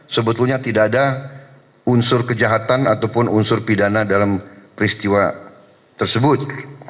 sebetulnya tidak ada unsur kejahatan ataupun unsur pidana dalam peristiwa tersebut